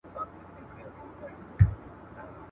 اننده؛ دښځو لوري ته مه ګوره